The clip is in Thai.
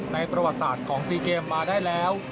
ประวัติศาสตร์ของซีเกมมาได้แล้ว